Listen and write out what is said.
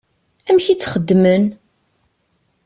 Amek i tt-xeddmen?